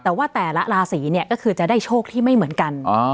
แต่ว่าแต่ละราศีเนี่ยก็คือจะได้โชคที่ไม่เหมือนกัน